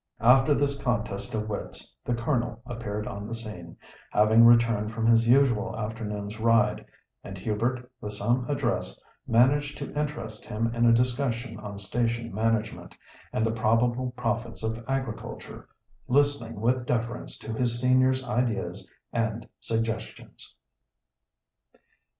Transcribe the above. After this contest of wits the Colonel appeared on the scene, having returned from his usual afternoon's ride; and Hubert, with some address, managed to interest him in a discussion on station management, and the probable profits of agriculture, listening with deference to his senior's ideas and suggestions.